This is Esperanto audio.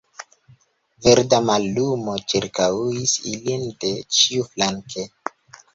Verda mallumo ĉirkaŭis ilin de ĉiuflanke.